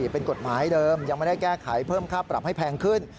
เป็นกฎหมายเดิมยังไม่ได้แก้ไขเพิ่มค่าปรับให้แพงขึ้น